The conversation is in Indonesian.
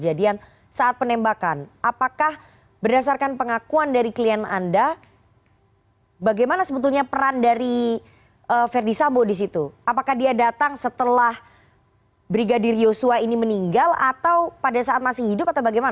apakah berdasarkan pengakuan dari klien anda bagaimana sebetulnya peran dari ferdis sambo di situ apakah dia datang setelah brigadir yosua ini meninggal atau pada saat masih hidup atau bagaimana